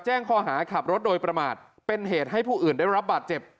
แจ้งข้อหาขับรถโดยประมาทเป็นเหตุให้ผู้อื่นได้รับบาดเจ็บ